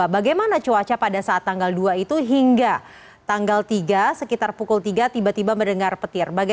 bagaimana cuaca pada saat tanggal dua itu hingga tanggal tiga sekitar pukul tiga tiba tiba mendengar petir